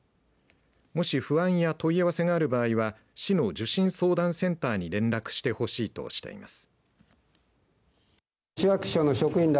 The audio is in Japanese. もし、不安や問い合わせがある場合は市の受診相談センターに連絡してほしいとしています。